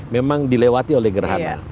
memang dilewati oleh gerhana